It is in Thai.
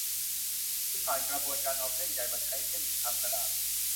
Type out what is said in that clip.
หรือผ่านกระบวนการเอาเส้นใยมาใช้ เช่นทำกระดาษ